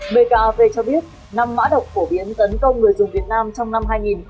bkv cho biết năm mã độc phổ biến tấn công người dùng việt nam trong năm hai nghìn hai mươi hai